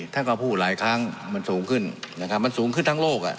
ท่านก็พูดหลายครั้งมันสูงขึ้นนะครับมันสูงขึ้นทั้งโลก